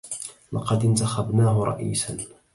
لقد انتخبناه رئيساً.